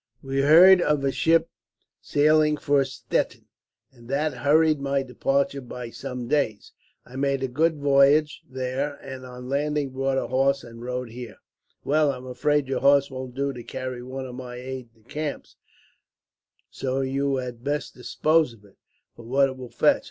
"We heard of a ship sailing for Stettin, and that hurried my departure by some days. I made a good voyage there, and on landing bought a horse and rode here." "Well, I am afraid your horse won't do to carry one of my aides de camp, so you had best dispose of it, for what it will fetch.